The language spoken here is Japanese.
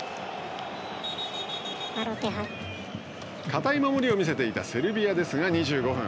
堅い守りを見せていたセルビアですが２５分。